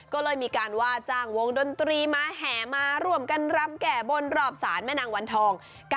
ก็เลยมีการว่าจ้างวงดนตรีมาแห่มาร่วมกันรำแก่บนรอบศาลแม่นางวันทอง